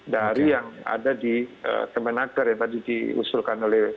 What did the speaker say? dari yang ada di kemenaker yang tadi diusulkan oleh